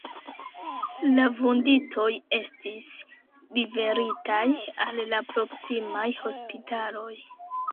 La vunditoj estis liveritaj al la proksimaj hospitaloj.